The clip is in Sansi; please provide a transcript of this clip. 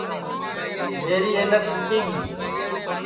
میری اینک پھُوٹی گی